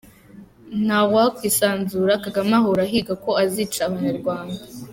Nta wakwisanzura Kagame ahora ahiga ko azica abanyarwanda!